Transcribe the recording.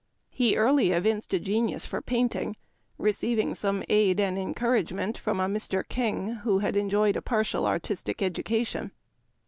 He early evinced a genius for painting, receiving some aid and encouragement from a Mr. King, who had enjoyed a partial artistic education.